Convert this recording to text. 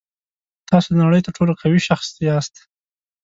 تاسو د نړۍ تر ټولو قوي شخص یاست.